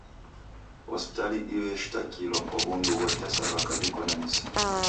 Hospitali iyo eshitakilwa kwa w'undu ghotesa w'aka w'iko na misigo.